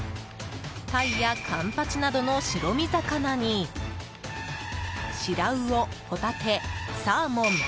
タイやカンパチなどの白身魚に白魚、ホタテ、サーモン。